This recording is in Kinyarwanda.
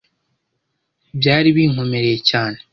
byari binkomereye cyane.